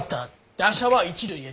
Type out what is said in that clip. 打者は一塁へ。